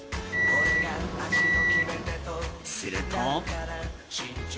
すると。